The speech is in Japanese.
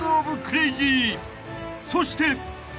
［そして］